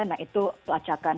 nah itu pelacakan